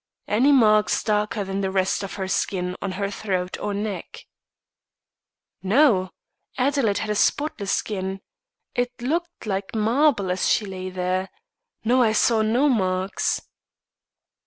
"Any marks darker than the rest of her skin on her throat or neck?" "No. Adelaide had a spotless skin. It looked like marble as she lay there. No, I saw no marks."